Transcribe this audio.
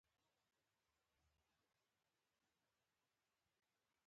احمد توره کړه.